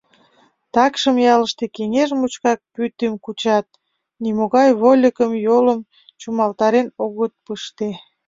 Такшым ялыште кеҥеж мучкак пӱтым кучат, нимогай вольыкым йолым чумалтарен огыт пыште.